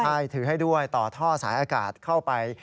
ใช่ถือให้ด้วยต่อท่อสายอากาศเข้าไป